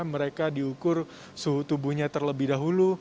mereka diukur suhu tubuhnya terlebih dahulu